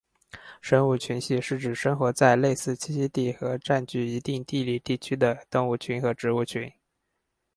生物群系是指生活在类似栖息地和占据一定地理地区的动物群和植物群。